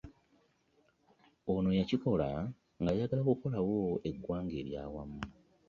Ono yakikola ng'ayagala okukolawo eggwanga eryawamu